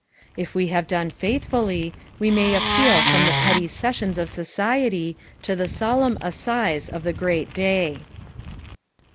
If we have done faithfullv, . we may appeal from the petty sessions of society to the solemn assize of the great day.